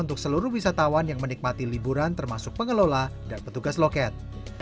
untuk seluruh wisatawan yang menikmati liburan termasuk pengelola dan petugas loket